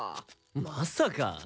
まさか。